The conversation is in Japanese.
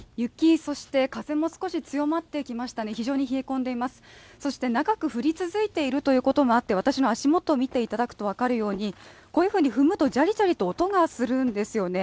そして長く降り続いているということもあって私の足元を見ていただくと分かるようにこういうふうに踏むとジャリジャリと音がするんですよね。